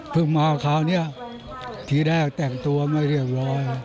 มาคราวนี้ทีแรกแต่งตัวไม่เรียบร้อย